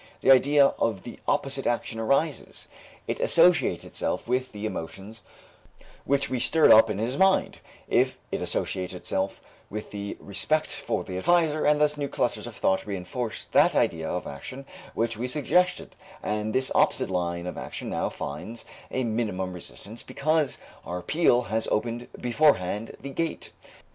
The idea of the opposite action arises, it associates itself with the emotions which we stirred up in his mind, it associates itself with the respect for the adviser, and thus new clusters of thought reënforce that idea of action which we suggested, and this opposite line of action now finds a minimum resistance because our appeal has opened beforehand the gate.